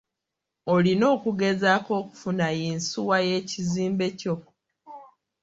Olina okugezaako okufuna yinsuwa y'ekizimbe kyo.